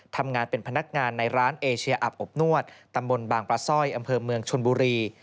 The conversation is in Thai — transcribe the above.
ทำงานเป็นพนักงานในร้านเอเชียอับอบนวดตำบลบางปลาสร้อยอำเภอเมืองชนบุรี